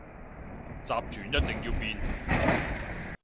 集團一定要變